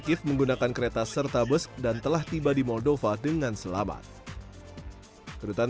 kif menggunakan kereta serta bus dan telah tiba di moldova dengan selamat kedutan